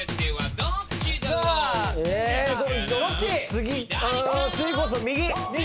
次こそ右！